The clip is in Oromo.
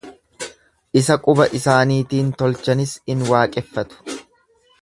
Isa quba isaaniitiin tolchanis in waaqeffatu.